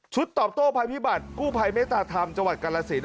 ชุดตอบโตภัยพิบัติกู้ภัยเมตรธรรมจังหวัดกรรละศิลป์